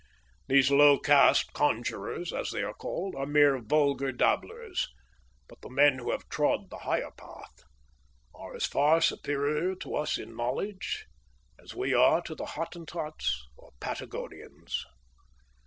These low caste conjurers as they are called are mere vulgar dabblers, but the men who have trod the higher path are as far superior to us in knowledge as we are to the Hottentots or Patagonians."